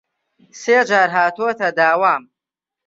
سێ جار هاتووەتە داوام